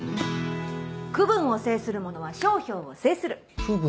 区分を征する者は商標を征する！区分？